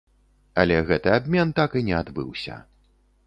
Але гэты абмен так і не адбыўся.